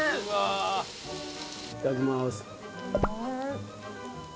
いただきます。